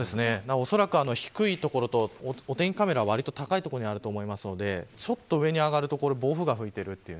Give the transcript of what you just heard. おそらく低い所とお天気カメラはわりと高い所にあると思いますのでちょっと上に上がると暴風が吹いているという。